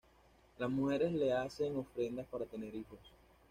Las mujeres le hacen ofrendas para tener hijos.